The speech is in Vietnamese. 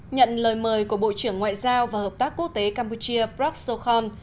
nhận lời mời của bộ trưởng ngoại giao và hợp tác quốc tế campuchia brock sokhon